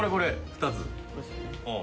２つ。